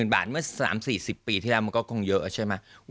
๗๐๐๐๐บาทเมื่อสามสี่สิบปีที่แล้วก็คงเยอะใช่ไหม